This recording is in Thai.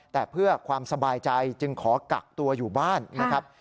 แต่เพื่อความสบายใจจึงขอกักตัวอยู่บ้านนะครับ